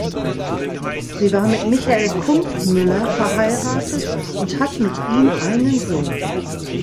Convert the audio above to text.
Sie war mit Michael Kumpfmüller verheiratet und hat mit ihm einen Sohn.